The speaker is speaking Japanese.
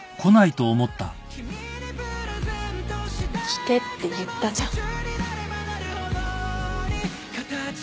来てって言ったじゃん。